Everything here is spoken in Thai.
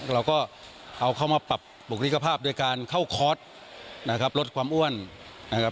เราก็เอาเข้ามาปรับบุคลิกภาพโดยการเข้าคอร์สนะครับลดความอ้วนนะครับ